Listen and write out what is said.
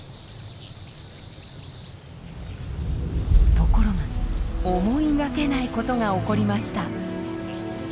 ところが思いがけないことが起こりました。